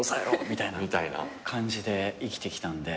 みたいな感じで生きてきたんで。